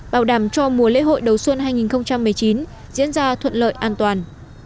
bảo đảm cho mùa lễ hội đầu xuân hai nghìn một mươi chín diễn ra thuận lợi an toàn